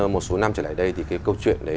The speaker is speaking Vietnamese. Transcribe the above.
một số năm trở lại đây thì cái câu chuyện đấy